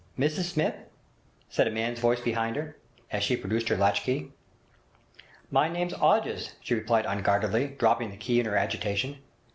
'Mrs Smith?' said a man's voice behind her, as she produced her latch key. 'My name's 'Odges,' she replied unguardedly, dropping the key in her agitation.